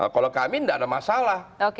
kalau kami tidak ada masalah